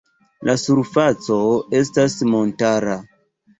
La surfaco estas montara.